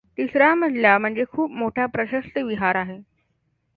तिसरा मजला म्हणजे खूप मोठा प्रशस्त विहार आहे.